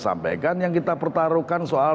sampaikan yang kita pertaruhkan soal